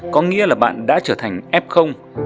có nghĩa là bạn đã trở thành f và phải đối mặt với những dịch bệnh